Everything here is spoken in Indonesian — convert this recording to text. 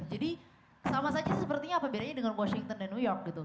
jadi sama saja sepertinya apa bedanya dengan washington dan new york